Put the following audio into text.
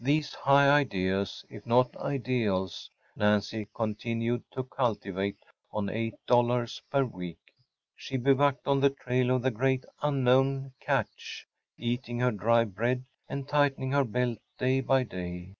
These high ideas, if not ideals‚ÄĒNancy continued to cultivate on $8. per week. She bivouacked on the trail of the great unknown ‚Äúcatch,‚ÄĚ eating her dry bread and tightening her belt day by day.